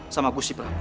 sama kusi prabu